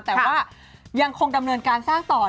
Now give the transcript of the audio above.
แต่ว่ายังคงดำเนินการสร้างต่อ